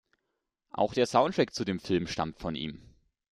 Auch der Soundtrack zu dem Film stammt von ihm.